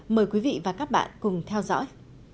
mời quý vị và các bạn cùng theo dõi